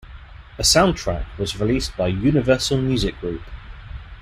A soundtrack was released by Universal Music Group.